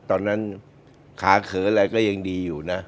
ตอนนั้นขาเขินอะไรก็ยังดีอยู่นะ